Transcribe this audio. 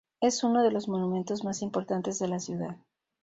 Es uno de los monumentos más importantes de la ciudad.